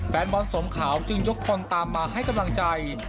แฟนบอลสมขาวจึงยกคนตามมาให้กำลังใจ